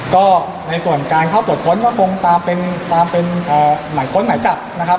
ก็ในส่วนการเข้าตรวจค้นก็คงตามเป็นตามเป็นอ่าไหนค้นไหนจับนะครับ